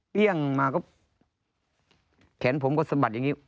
มาก็แขนผมก็สะบัดอย่างนี้